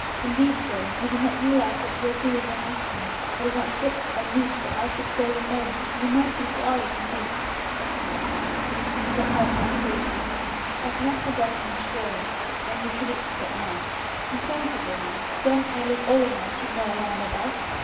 Indeed, sir, you do not realize what you are doing or asking. It is not fit or meet that I should bear your name. You might be sorry, indeed." "Alida," said Holcroft gravely, "I've not forgotten your story, and you shouldn't forget mine. Be sensible now. Don't I look old enough to know what I'm about?"